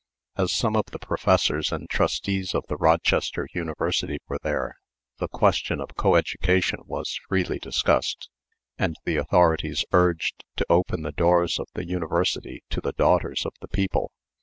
As some of the professors and trustees of the Rochester University were there, the question of co education was freely discussed, and the authorities urged to open the doors of the University to the daughters of the people.